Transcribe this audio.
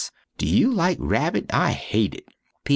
Do you like rabit? I hate it!